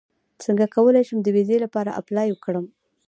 څنګه کولی شم د ویزې لپاره اپلای وکړم